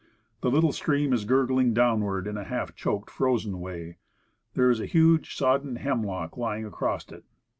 The little stream is gurgling downward in a half choked frozen way. There is a huge soddened hemlock lying across it.